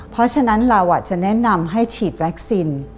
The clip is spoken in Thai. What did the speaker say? เพราะฉะนั้นเราจะแนะนำให้ฉีดวัคซีน